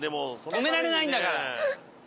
止められないんだから。